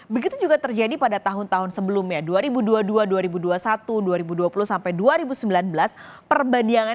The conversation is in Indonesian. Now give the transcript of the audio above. begitu juga terjadi pada tahun tahun sebelumnya dua ribu dua puluh dua dua ribu dua puluh satu dua ribu dua puluh sampai dua ribu sembilan belas perbandingan